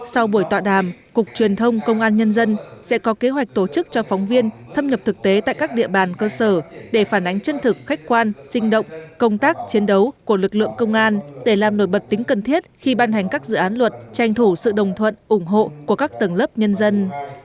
sau buổi tọa đàm cục truyền thông công an nhân dân sẽ có kế hoạch tổ chức cho phóng viên thâm nhập thực tế tại các địa bàn cơ sở để phản ánh chân thực khách quan sinh động công tác chiến đấu của lực lượng công an để làm nổi bật tính cần thiết khi ban hành các dự án luật tranh thủ sự đồng thuận ủng hộ của các tầng lớp nhân dân